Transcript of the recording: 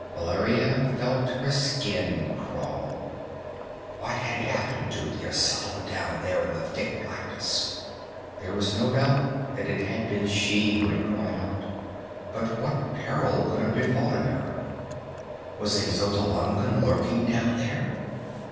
Valeria felt her skin crawl. What had happened to Yasala down there in the thick blackness? There was no doubt that it had been she who had cried out. But what peril could have befallen her? Was a Xotalanca lurking down there?